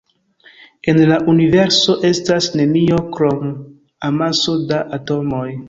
En la universo estas nenio krom amaso da atomoj.